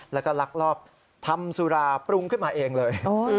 แล้วก็ลักลอบทำสุราปรุงขึ้นมาเองเลย